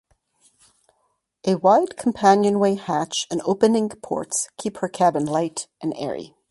A wide companionway hatch and opening ports keep her cabin light and airy.